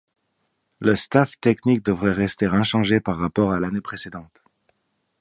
Le staff technique devrait rester inchangé par rapport à l'année précédente.